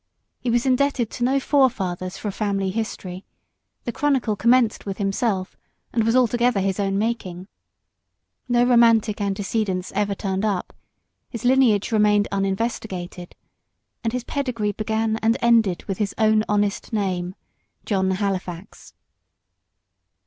He was indebted to no forefathers for a family history: the chronicle commenced with himself, and was altogether his own making. No romantic antecedents ever turned up: his lineage remained uninvestigated, and his pedigree began and ended with his own honest name John Halifax.